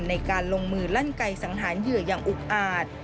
ในการลงมือลั่นไกลสังหารเหยื่ออย่างอุกอาจ